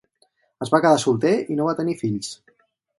Es va quedar solter i no va tenir fills.